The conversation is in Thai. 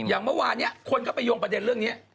อย่างเมื่อวานนี้คนก็ไปโยงประเด็นเรื่องนี้